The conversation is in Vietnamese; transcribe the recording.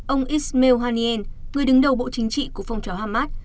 ông ismail haniyeh người đứng đầu bộ chính trị của phong trào hamas